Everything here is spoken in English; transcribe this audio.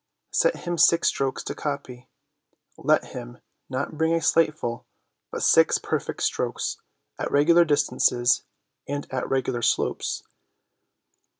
Set him six strokes to copy ; let him, not bring a slateful, but six perfect strokes, at regular distances and at regular slopes.